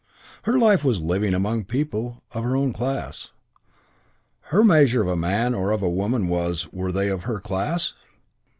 Her life was living among people of her own class. Her measure of a man or of a woman was, Were they of her class?